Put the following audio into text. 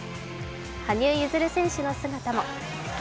羽生結弦選手の姿も。